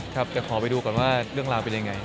ครับแต่ขอไปดูก่อนว่าเรื่องราวเป็นยังไง